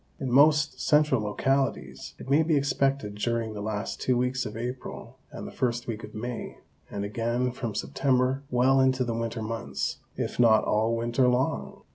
In most central localities it may be expected during the last two weeks of April and the first week of May, and again from September well into the winter months, if not all winter long.